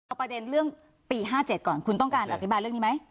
เอาประเด็นเรื่องปี๕๗ก่อนคุณต้องการอธิบายเรื่องนี้ไหม